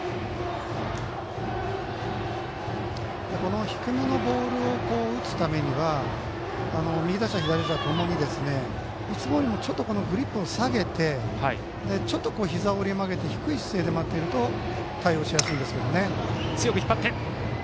この低めのボールを打つためには右打者、左打者ともにいつもよりもちょっとグリップを下げてちょっとひざを折り曲げて低い姿勢で待っていると、対応しやすいです。